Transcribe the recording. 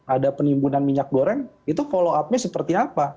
ada penimbunan minyak goreng itu follow up nya seperti apa